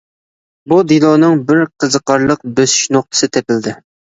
بۇ دېلونىڭ بىر قىزىقارلىق بۆسۈلۈش نۇقتىسى تېپىلدى.